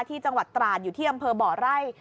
จังหวัดตราดอยู่ที่อำเภอบ่อไร่